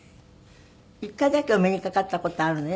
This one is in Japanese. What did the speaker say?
１回だけお目にかかった事あるのよ。